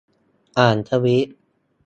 อ่านทวีต